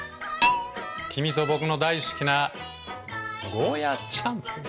君と僕の大好きなゴーヤーチャンプルー。